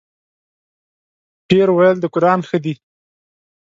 ـ ډېر ویل د قران ښه دی.